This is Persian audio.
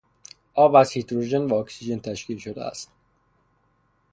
آب از هیدروژن و اکسیژن تشکیل شده است.